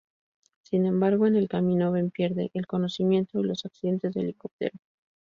Sin embargo, en el camino, Ben pierde el conocimiento y los accidentes de helicóptero.